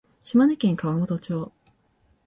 島根県川本町